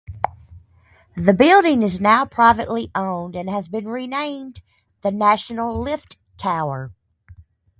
The building is now privately owned and has been renamed the National Lift Tower.